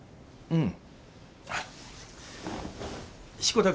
うん。